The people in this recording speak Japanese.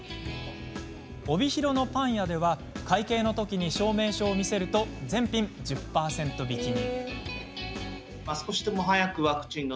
帯広のパン屋では会計のときに証明書を見せると全品１０％引きに。